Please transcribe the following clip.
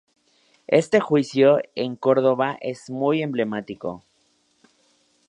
Este juicio en Córdoba es muy emblemático.